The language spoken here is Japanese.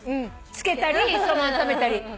つけたりそのまま食べたり。